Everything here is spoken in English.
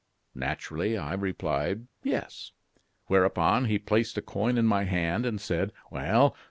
Naturally I replied: 'Yes.' Whereupon he placed a coin in my hand and said: 'Well!